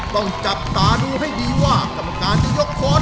ต้องจับตาดูให้ดีว่ากรรมการจะยกค้อน